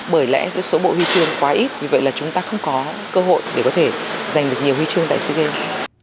bởi lẽ số bộ huy chương quá ít vì vậy là chúng ta không có cơ hội để có thể giành được nhiều huy chương tại sea games